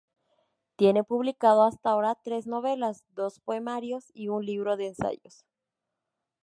Tiene publicado hasta ahora tres novelas, dos poemarios y un libro de ensayos.